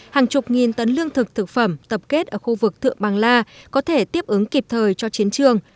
hàng chục nghìn tấn lương thực thực phẩm tập kết ở khu vực thượng bằng la có thể tiếp ứng kịp thời cho chiến trường